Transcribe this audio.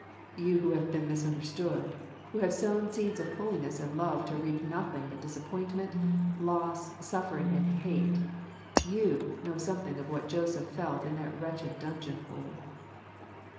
You who have been misunderstood, who have sown seeds of holiness and love to reap nothing but disappointment, loss, suffering, and hate — you know something of what Joseph felt in that wretched dungeon hole.